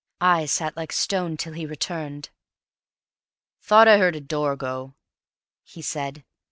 I sat like stone till he returned. "Thought I heard a door go," he said.